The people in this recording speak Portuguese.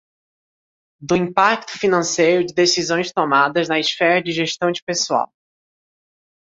do impacto financeiro de decisões tomadas na esfera de gestão de pessoal.